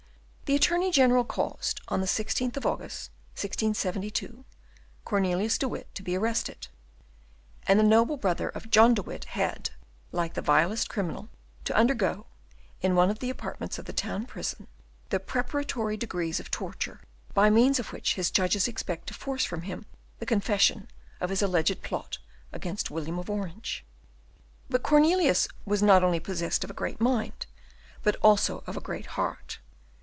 The Attorney General caused, on the 16th of August, 1672, Cornelius de Witt to be arrested; and the noble brother of John de Witt had, like the vilest criminal, to undergo, in one of the apartments of the town prison, the preparatory degrees of torture, by means of which his judges expected to force from him the confession of his alleged plot against William of Orange. But Cornelius was not only possessed of a great mind, but also of a great heart.